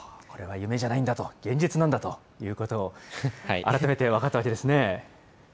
これは夢じゃないんだと、現実なんだということを、改めて分かったわけですね。